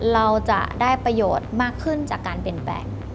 เราจะได้ประโยชน์มากขึ้นจากการเปลี่ยนแปลง